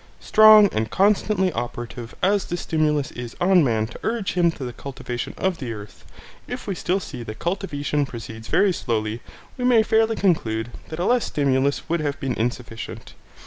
Strong and constantly operative as this stimulus is on man to urge him to the cultivation of the earth, if we still see that cultivation proceeds very slowly, we may fairly conclude that a less stimulus would have been insufficient.